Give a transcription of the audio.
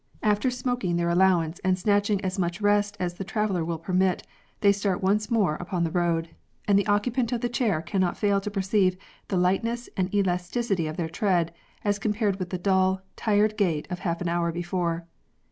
After smoking OPIUM SMOKING. 1 1 5 their allowance and snatching as much rest as the traveller will permit, they start once more upon the road ; and the occupant of the chair cannot fail to perceive the lightness and elasticity of their tread, as compared with the dull, tired gait of half an hour before.